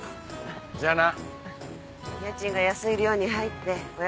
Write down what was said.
じゃあな！